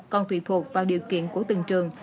còn tùy thuộc vào điều kiện của từng trường